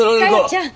ちゃん！